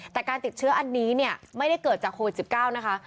แต่การติดเชื้ออันนี้เนี่ยไม่ได้เกิดจากโควิด๑๙นะคะ